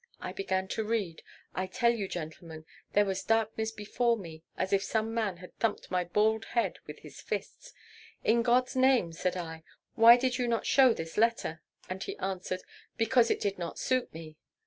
I began to read. I tell you, gentlemen, there was darkness before me as if some man had thumped my bald head with his fist. 'In God's name!' said I, 'why did you not show this letter?' And he answered, 'Because it did not suit me!'